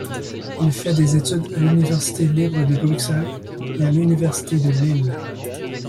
Il fait des études à l’Université libre de Bruxelles et à l'Université de Lille.